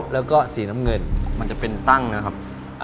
แล้วก็สีน้ำเงินมันจะเป็นตั้งนะครับ